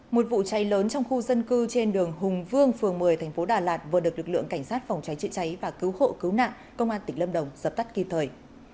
một vụ cháy lớn trong khu dân cư trên đường hùng vương phường một mươi thành phố đà lạt vừa được lực lượng cảnh sát phòng cháy chữa cháy và cứu hộ cứu nạn công an tỉnh lâm đồng dập tắt kịp thời